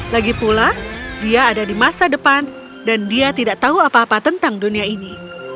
lagi pula dia ada di masa depan dan dia tidak tahu apa apa tentang dunia ini